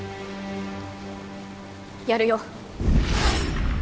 やるよ。